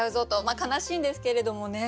まあ悲しいんですけれどもね。